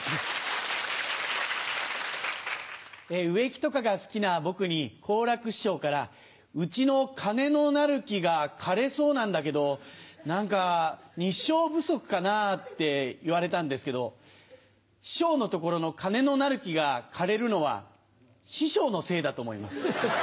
植木とかが好きな僕に好楽師匠から「うちの金のなる木が枯れそうなんだけど何か日照不足かなぁ？」って言われたんですけど師匠のところの金のなる木が枯れるのは師匠のせいだと思います。